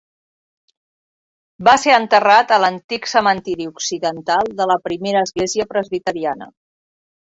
Va ser enterrat a l'antic cementiri occidental de la Primera Església Presbiteriana.